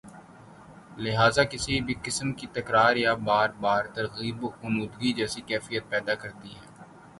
لہذا کسی بھی قسم کی تکرار یا بار بار ترغیب غنودگی جیسی کیفیت پیدا کرتی ہے